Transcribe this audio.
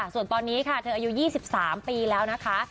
ส่วนตอนนี้ค่ะเธออายุ๒๓ปีแล้วนะคะ